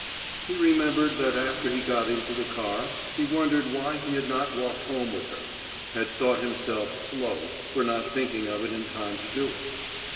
He remembered that after he got into the car he wondered why he had not walked home with her; had thought himself "slow" for not thinking of it in time to do it.